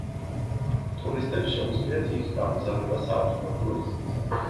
ტურისტებს შეუძლიათ იქ გამგზავრება საავტომობილო გზით.